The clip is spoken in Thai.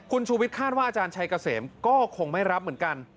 คุณชูวิทยคาดว่าอาจารย์ชัยเกษมก็คงไม่รับเหมือนกัน